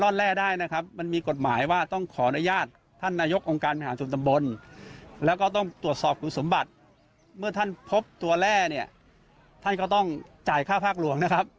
เดี๋ยวฟังเสียงในอำเภอดูค่ะ